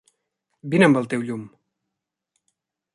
Vine amb el teu llum.